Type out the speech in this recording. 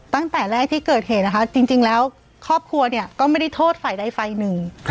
ตั้งแต่แรกที่เกิดเหตุนะคะจริงแล้วครอบครัวเนี่ยก็ไม่ได้โทษฝ่ายใดฝ่ายหนึ่ง